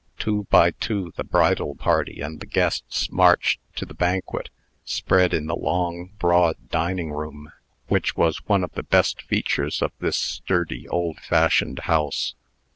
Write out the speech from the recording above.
Two by two the bridal party and the guests marched to the banquet, spread in the long, broad dining room, which was one of the best features of this sturdy, old fashioned house.